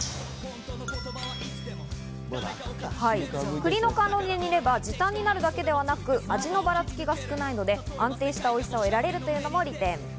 栗の甘露煮を入れれば、時短になるだけでなく、味のばらつきが少ないので安定したおいしさを得られるのも利点。